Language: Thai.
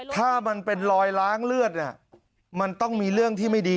ถ้ามันเป็นรอยล้างเลือดเนี่ยมันต้องมีเรื่องที่ไม่ดี